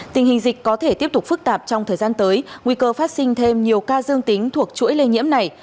tình hình dịch có thể tiếp tục phức tạp trong thời gian tới nguy cơ phát sinh thêm nhiều ca dương tính thuộc chuỗi lây nhiễm này